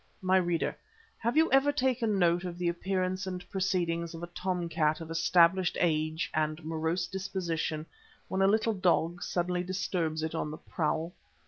My reader, have you ever taken note of the appearance and proceedings of a tom cat of established age and morose disposition when a little dog suddenly disturbs it on the prowl?